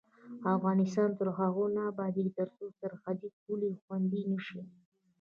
افغانستان تر هغو نه ابادیږي، ترڅو سرحدي پولې خوندي نشي.